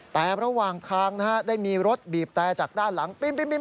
แต่ระหว่างทางได้มีรถบีบแต่จากด้านหลังปิ้ม